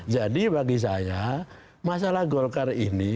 jadi bagi saya masalah golkar ini